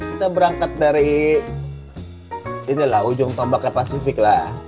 kita berangkat dari ujung tombaknya pasifik lah